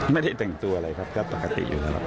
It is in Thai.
ไม่ได้แต่งตัวอะไรครับก็ปกติอยู่แล้ว